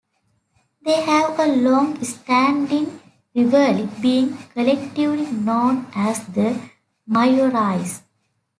They have a long-standing rivalry, being collectively known as the Maiorais.